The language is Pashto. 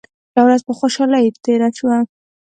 دا ورځ په خوشالۍ تیره شوه.